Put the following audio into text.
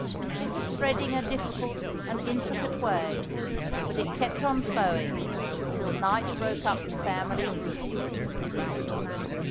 It was threading a difficult and intricate way, but it kept on flowing, till night broke up the family group.